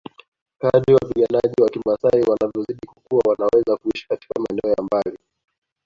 Kadri wapiganaji wa kimaasai wanavyozidi kukua wanaweza kuishi katika maeneo ya mbali